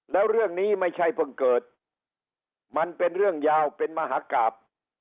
แล้วเรื่องนี้ไม่ใช่เพิ่งเกิดมันเป็นเรื่องยาวเป็นมหากราบ